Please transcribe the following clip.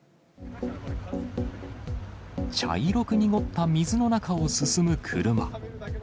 茶色く濁った水の中を進む車。